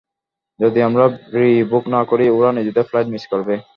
যদি আমরা রি-বুক না করি, ওরা নিজেদের ফ্লাইট মিস করবে।